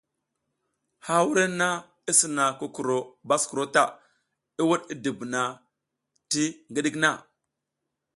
Ha wurenna i sina kukuro baskuro ta, i wuɗ i dubuna ti ngiɗik na.